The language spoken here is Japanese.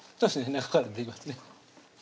中から出てきますね